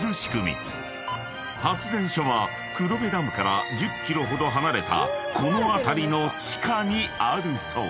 ［発電所は黒部ダムから１０ｋｍほど離れたこの辺りの地下にあるそう］